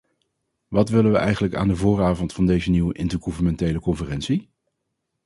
Wat willen wij eigenlijk aan de vooravond van deze nieuwe intergouvernementele conferentie?